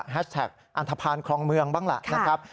แฮชแท็กอันทภัณฑ์ของเมืองบ้างล่ะ